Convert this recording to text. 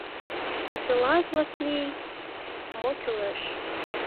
— А тылат, Васли, мо кӱлеш?